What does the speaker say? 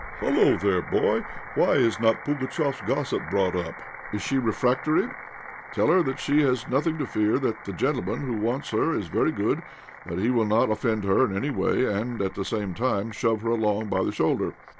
Hullo! there, boy, why is not Pugatchéf's gossip brought up? Is she refractory? Tell her she has nothing to fear, that the gentleman who wants her is very good, that he will not offend her in any way, and at the same time shove her along by the shoulder."